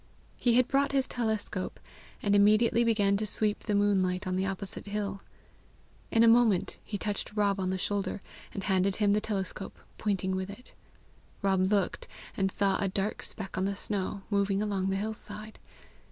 He had brought his telescope, and immediately began to sweep the moonlight on the opposite hill. In a moment he touched Rob on the shoulder, and handed him the telescope, pointing with it. Rob looked and saw a dark speck on the snow, moving along the hill side.